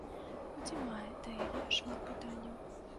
Хоць і мае да яе шмат пытанняў.